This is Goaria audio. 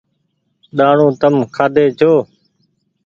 ڏآڻو تم کآدي ڇو